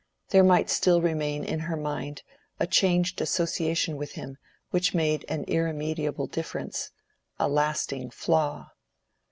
There might still remain in her mind a changed association with him which made an irremediable difference—a lasting flaw.